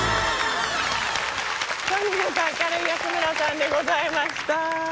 とにかく明るい安村さんでございました。